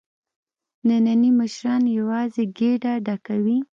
نني مشران یوازې ګېډه ډکوي.